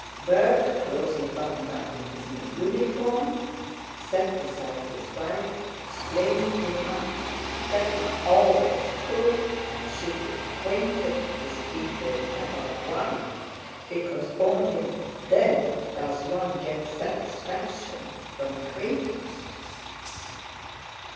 Berg, closely buttoned up in his new uniform, sat beside his wife explaining to her that one always could and should be acquainted with people above one, because only then does one get satisfaction from acquaintances.